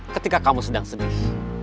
ketika kamu sedang sedih